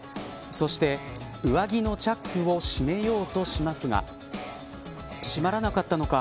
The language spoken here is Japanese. そして、上着のチャックを閉めようとしますが閉まらなかったのか。